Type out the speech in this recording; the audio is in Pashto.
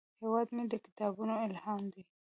هیواد مې د کتابونو الهام دی